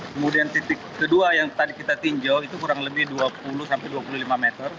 kemudian titik kedua yang tadi kita tinjau itu kurang lebih dua puluh sampai dua puluh lima meter